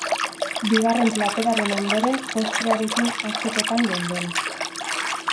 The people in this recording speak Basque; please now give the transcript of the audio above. Bigarren plateraren ondoren postrearekin hastekotan geunden.